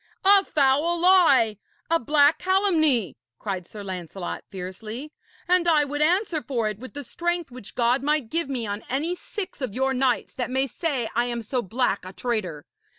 'A foul lie, a black calumny!' cried Sir Lancelot fiercely. 'And I would answer for it with the strength which God might give me on any six of your knights that may say I am so black a traitor.